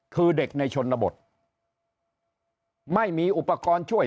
คือเด็กในชนบทไม่มีอุปกรณ์ช่วย